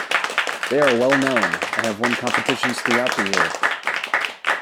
They are well-known and have won competitions throughout the year.